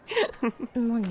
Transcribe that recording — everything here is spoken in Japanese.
何？